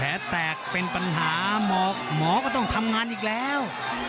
แตกเป็นปัญหาหมอก็ต้องทำงานอีกแล้ว